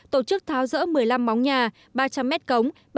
tổ chức tháo rỡ một mươi năm móng nhà ba trăm linh mét cống